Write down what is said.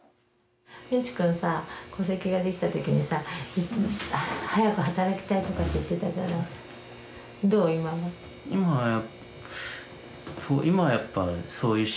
道くんさ戸籍ができた時にさ早く働きたいとかって言ってたじゃないどう？